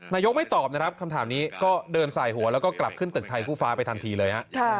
นายกไม่ตอบนะครับคำถามนี้ก็เดินสายหัวแล้วก็กลับขึ้นตึกไทยคู่ฟ้าไปทันทีเลยฮะ